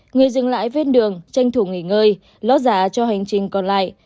người dừng lại ven đường tranh thủ nghỉ ngơi lót giả cho hành trình còn lại